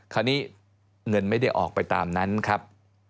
คราวนี้เงินไม่ได้ออกไปตามนั้นครับ